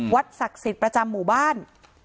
ศักดิ์สิทธิ์ประจำหมู่บ้าน